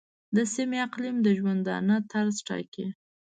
د سیمې اقلیم د ژوندانه طرز ټاکي.